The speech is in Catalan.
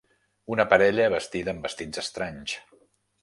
Una parella vestida amb vestits estranys.